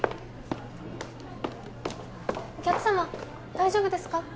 お客様大丈夫ですか？